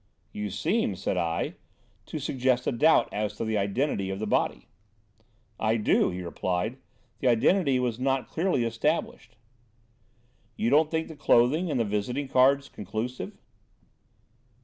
"You seem," said I, "to suggest a doubt as to the identity of the body." "I do," he replied. "The identity was not clearly established." "You don't think the clothing and the visiting cards conclusive."